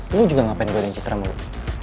lo juga ngapain gue dengan citra malu